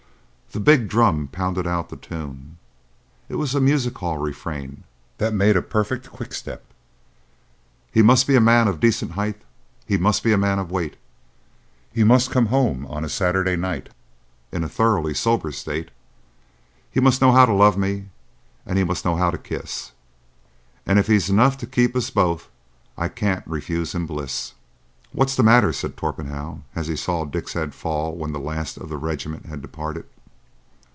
The big drum pounded out the tune. It was a music hall refrain that made a perfect quickstep— He must be a man of decent height, He must be a man of weight, He must come home on a Saturday night In a thoroughly sober state; He must know how to love me, And he must know how to kiss; And if he's enough to keep us both I can't refuse him bliss. "What's the matter?" said Torpenhow, as he saw Dick's head fall when the last of the regiment had departed.